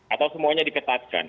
atau semuanya diketatkan